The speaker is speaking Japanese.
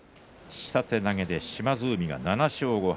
下手投げで島津海が７勝５敗。